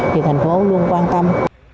thì thành phố luôn quan tâm